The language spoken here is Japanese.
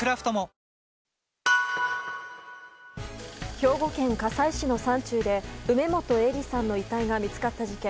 兵庫県加西市の山中で梅本依里さんの遺体が見つかった事件。